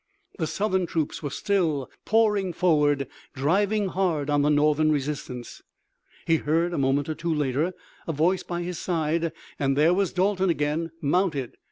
The Southern troops were still pouring forward driving hard on the Northern resistance. He heard a moment or two later a voice by his side and there was Dalton again mounted.